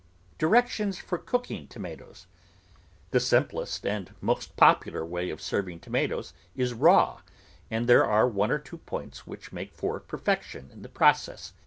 DIRECTIONS FOR COOKING TOMATOES The simplest and most popular way of serving tomatoes is raw, and there are one or two points which make for perfection in the process.